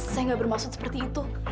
saya gak bermaksud seperti itu